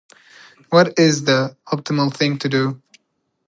What is the optimal thing to do?